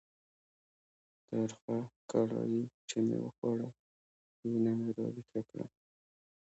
ترخه کړایي چې مې وخوړه، وینه مې را ویښه کړه.